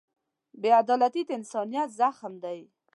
بېعدالتي د انسانیت زخم دی.